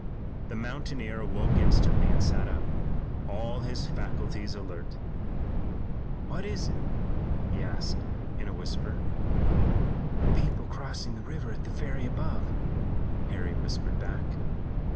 The mountaineer awoke instantly and sat up, all his faculties alert. "What is it?" he asked in a whisper. "People crossing the river at the ferry above," Harry whispered back.